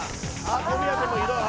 「小宮君もひどい。